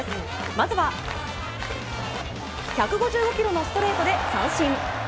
まずは１５５キロのストレートで三振。